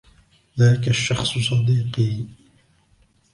ذاك الشخص صديقي.